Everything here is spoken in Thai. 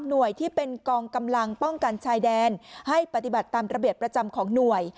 ที่เป็นกองกำลังป้องกันชายแดนให้ปฏิบัติตามระเบียบประจำของหน่วย